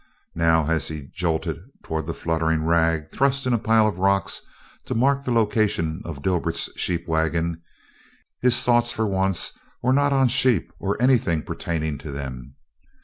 Now as he jolted towards the fluttering rag, thrust in a pile of rocks to mark the location of Dibert's sheep wagon, his thoughts, for once, were not of sheep or anything pertaining to them.